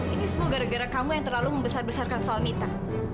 ini semua gara gara kamu yang terlalu membesar besarkan soal nita